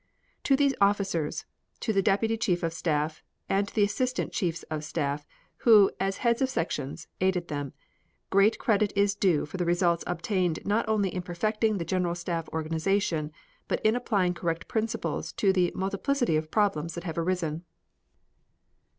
To these officers, to the deputy chief of staff, and to the assistant chiefs of staff, who, as heads of sections, aided them, great credit is due for the results obtained not only in perfecting the General Staff organization but in applying correct principles to the multiplicity of problems that have arisen.